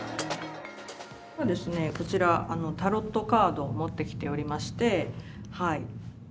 こちら、タロットカードを持ってきておりまして。